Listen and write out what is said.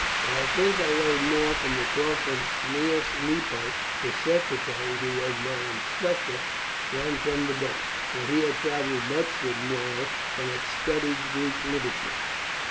But I think I learned more from the talk of Cneius Nepo, his secretary, who was my instructor, than from the books, for he had travelled much with Muro, and had studied Greek literature."